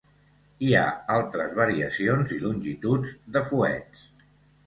Hi ha altres variacions i longituds de fuets.